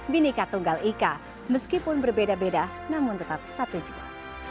bineka tunggal ika meskipun berbeda beda namun tetap satu juga